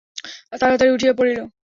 তাড়াতাড়ি উঠিয়া পড়িল।